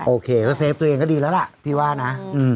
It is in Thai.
โอเคก็เซฟตัวเองก็ดีแล้วล่ะพี่ว่านะ